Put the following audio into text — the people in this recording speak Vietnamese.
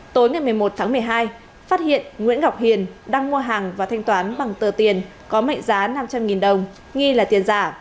tối ngày một mươi một tháng một mươi hai phát hiện nguyễn ngọc hiền đang mua hàng và thanh toán bằng tờ tiền có mệnh giá năm trăm linh đồng nghi là tiền giả